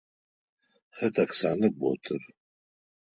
Хэт Оксанэ готыр?